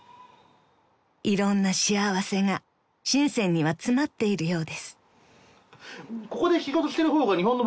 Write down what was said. ［いろんな幸せが深には詰まっているようです］